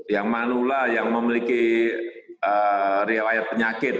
yang manula yang memiliki riwayat penyakit